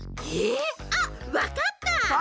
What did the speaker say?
えぇ？あっわかった！